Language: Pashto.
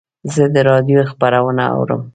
زه د رادیو خپرونه اورم.